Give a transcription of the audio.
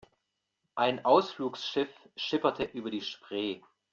Ein Ausflugsschiff schipperte über die Spree.